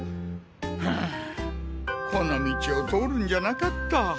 はぁこの道を通るんじゃなかった。